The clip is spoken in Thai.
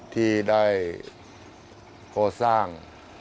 ที่ได้ก่อสร้าง